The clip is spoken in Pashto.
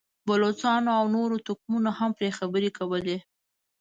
بلوڅانو او نورو توکمونو هم پرې خبرې کولې.